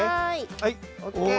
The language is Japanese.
はい！